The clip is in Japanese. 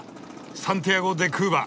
サンティアゴ・デ・クーバ。